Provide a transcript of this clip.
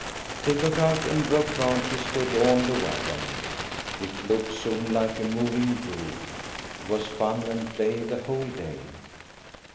They got out and brdte branches to adorn the wagon. It looked, soon, like a moving grove. It was fun and play the whole day.